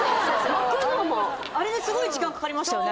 巻くのもあれですごい時間かかりましたよね